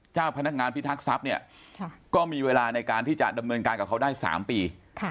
เจ้าพนักงานพิทักษัพเนี่ยก็มีเวลาในการที่จะดำเนินการกับเขาได้๓ปี